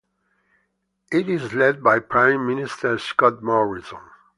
It is led by Prime Minister Scott Morrison.